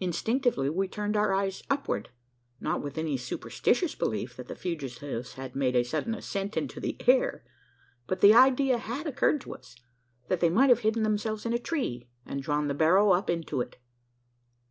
Instinctively, we turned our eyes upward not with any superstitious belief that the fugitives had made a sudden ascent into the air. But the idea had occurred to us, that they might have hidden themselves in a tree, and drawn the barrow up into it.